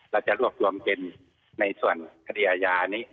เราจะรวบรวมเป็นในส่วนทฤยานี้